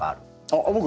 あっ僕？